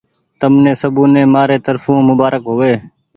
تمني سبوني مآري ترڦو مبآرڪ هووي۔